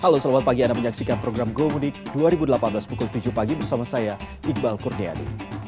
halo selamat pagi anda menyaksikan program gomudik dua ribu delapan belas pukul tujuh pagi bersama saya iqbal kurniadi